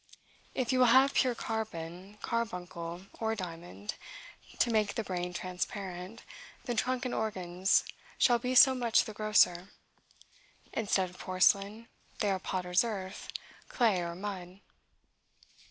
If you will have pure carbon, carbuncle, or diamond, to make the brain transparent, the trunk and organs shall be so much the grosser: instead of porcelain, they are potter's earth, clay, or mud.